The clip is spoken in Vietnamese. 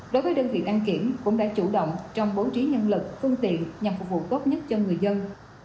đối với đơn vị đăng kiểm cũng đã chủ động trong bố trí nhân lực phương tiện nhằm phục vụ tốt nhất cho người dân